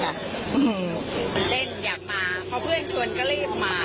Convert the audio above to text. ค่ะวันนี้ทำเมื่ยดึกหรือมา